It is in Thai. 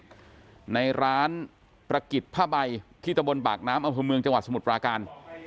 หัวเด็กเสียชีวิตในร้านประกิษภาบัยที่ตะบนบากน้ำอัมพมืองจังหวัดสมุทรปลากัน